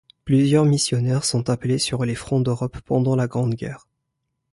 Plusieurs missionnaires sont appelés sur les fronts d’Europe pendant la Grande Guerre.